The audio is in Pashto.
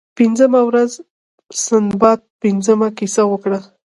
پنځمه ورځ سنباد پنځمه کیسه وکړه.